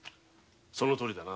そのとおりだな。